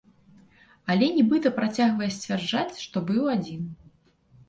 Але нібыта працягвае сцвярджаць, што быў адзін.